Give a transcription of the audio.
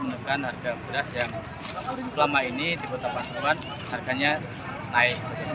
menekan harga beras yang selama ini di kota pasuruan harganya naik